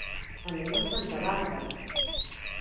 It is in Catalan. Anem a Santa Bàrbara.